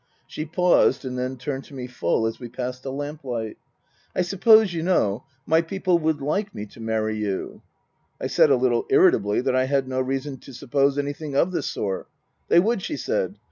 She paused and then turned to me full as we passed a lamp post. " I suppose you know my people would like me to marry you ?" I said a little irritably that I had no reason to suppose anything of the sort. " They would," she said.